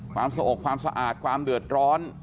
ความสะอกความสะอาดความเดือดร้อน